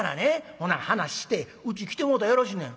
ほな話してうち来てもうたらよろしいねん」。